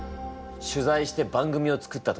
「取材して番組を作った」と言ったな。